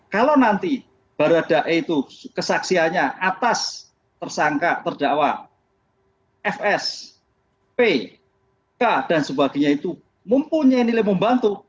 kalau nanti baradae itu kesaksiannya atas tersangka terdakwa fs p k dan sebagainya itu mempunyai nilai membantu